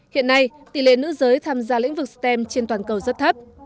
hiện nay tỷ lệ nữ giới tham gia lĩnh vực stem trên toàn cầu rất thấp